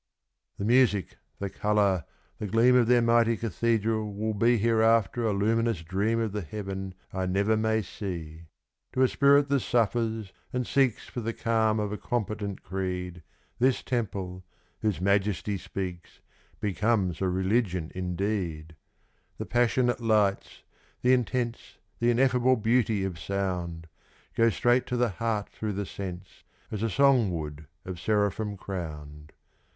The music, the colour, the gleam of their mighty cathedral will be Hereafter a luminous dream of the heaven I never may see; To a spirit that suffers and seeks for the calm of a competent creed, This temple, whose majesty speaks, becomes a religion indeed; The passionate lights the intense, the ineffable beauty of sound Go straight to the heart through the sense, as a song would of seraphim crowned.